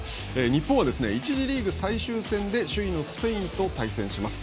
日本は１次リーグ最終戦で首位のスペインと対戦します。